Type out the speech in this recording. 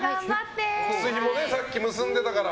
靴ひもさっき結んでたから。